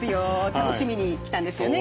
楽しみに来たんですよね？